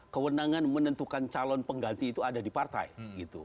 kewenangan menentukan calon pengganti itu ada di partai gitu